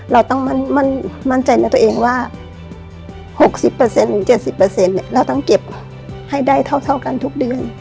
เราต้องมั่นใจในตัวเองว่า๖๐๗๐เราต้องเก็บให้ได้เท่ากันทุกเดือน